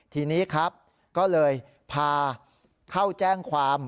ทีนี้ครับก็เลยพาเข้าแจ้งความ